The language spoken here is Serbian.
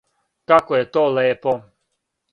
Како је то лепо.